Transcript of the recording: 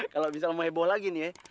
kalo misal mau heboh lagi nih ya